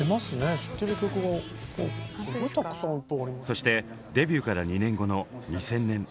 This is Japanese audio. そしてデビューから２年後の２０００年。